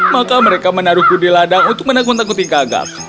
maka mereka menaruhku di ladang untuk menakut takuti gagak